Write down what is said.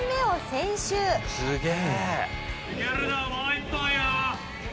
すげえ！